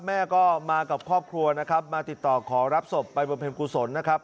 แม่ก็มากับครอบครัวนะครับมาติดต่อขอรับศพไปบำเพ็ญกุศลนะครับ